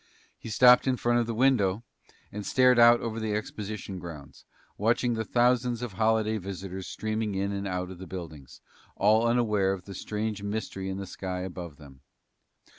He stopped in front of the window and stared out over the exposition grounds, watching the thousands of holiday visitors streaming in and out of the buildings, all unaware of the strange mystery in the sky above them.